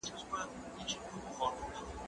زه کولای سم سبزیجات وچوم